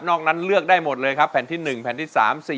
นั้นเลือกได้หมดเลยครับแผ่นที่๑แผ่นที่๓๔